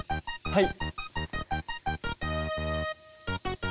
はい。